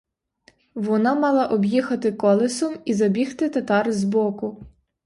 Вона мала об'їхати колесом і забігти татар збоку.